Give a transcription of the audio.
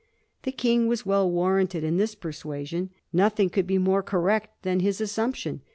The King was well warranted in this persuasion ; nothing could be more correct than his assumption.